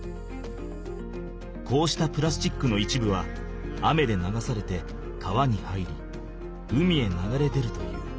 こうしたプラスチックの一部は雨で流されて川に入り海へ流れ出るという。